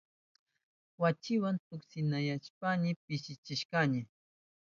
Wachiwa tuksinayahushpayni pishichishkani.